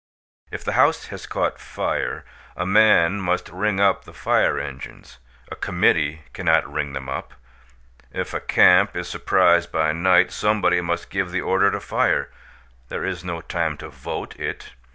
If the house has caught fire a man must ring up the fire engines; a committee cannot ring them up. If a camp is surprised by night somebody must give the order to fire; there is no time to vote it.